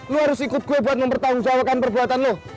lu harus ikut gue buat mempertahankan perbuatan lu